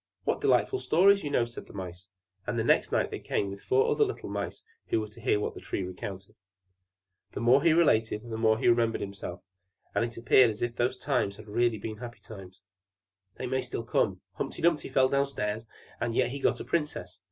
"What delightful stories you know," said the Mice: and the next night they came with four other little Mice, who were to hear what the Tree recounted: and the more he related, the more he remembered himself; and it appeared as if those times had really been happy times. "But they may still come they may still come! Humpy Dumpy fell downstairs, and yet he got a princess!"